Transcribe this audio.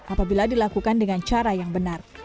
apabila dilakukan dengan cara yang benar